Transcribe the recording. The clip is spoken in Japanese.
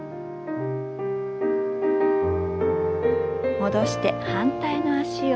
戻して反対の脚を。